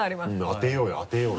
当てようよ当てようよ。